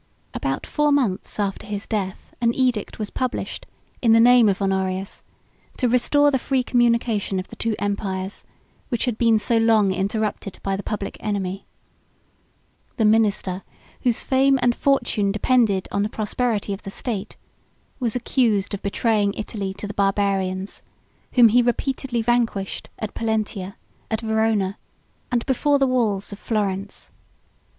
About four months after his death, an edict was published, in the name of Honorius, to restore the free communication of the two empires, which had been so long interrupted by the public enemy. 110 The minister, whose fame and fortune depended on the prosperity of the state, was accused of betraying Italy to the Barbarians; whom he repeatedly vanquished at Pollentia, at Verona, and before the walls of Florence.